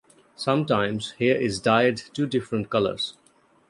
Sometimes hair is dyed two different colours.